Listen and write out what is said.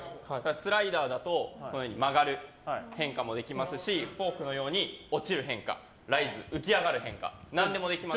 スライダーだと曲がる変化もできますしフォークのように落ちる変化ライズ、浮き上がる変化何でもできます。